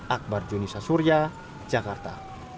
akbar junisa surya jakarta